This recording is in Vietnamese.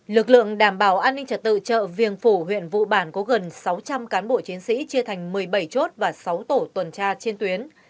lực lượng đảm bảo an ninh trật tự chợ viềng phủ huyện vụ bản có gần sáu trăm linh cán bộ chiến sĩ chia thành một mươi bảy chốt và sáu tổ tuần tra trên tuyến